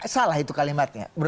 salah itu kalimatnya